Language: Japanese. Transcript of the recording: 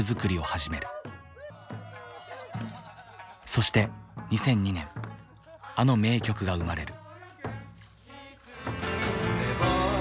そして２００２年あの名曲が生まれる。